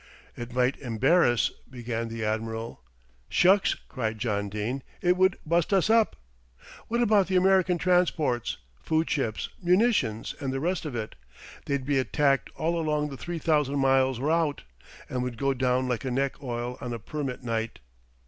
"It might embarrass " began the Admiral. "Shucks!" cried John Dene, "it would bust us up. What about the American transports, food ships, munitions and the rest of it. They'd be attacked all along the three thousand miles route, and would go down like neck oil on a permit night.